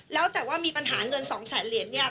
แล้วแต่ว่ามีปัญหาเงิน๒แสนเหรียญเนี่ย